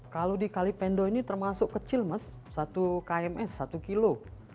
kalau di kalipendo ini termasuk kecil mas satu kms satu kilo